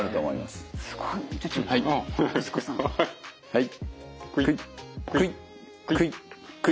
はい。